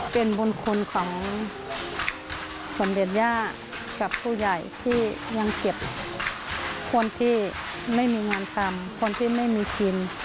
เป็นบุญคุณของสมเด็จย่ากับผู้ใหญ่ที่ยังเก็บคนที่ไม่มีงานทำคนที่ไม่มีกิน